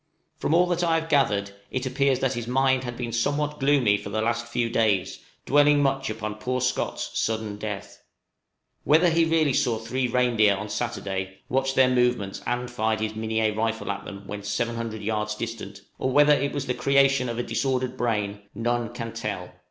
From all that I have gathered, it appears that his mind had been somewhat gloomy for the last few days, dwelling much upon poor Scott's sudden death. Whether he really saw three reindeer on Saturday, watched their movements, and fired his Minié rifle at them when 700 yards distant, or whether it was the creation of a disordered brain, none can tell.